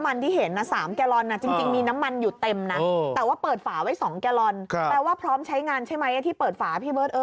แปลว่าพร้อมใช้งานใช่ไหมที่เปิดฝาพี่เบิร์ต